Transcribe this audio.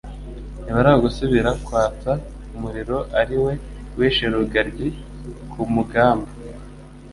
Ntibaragasubira kwatsa umuriro ari we wishe Rugaryi ku Mugamba,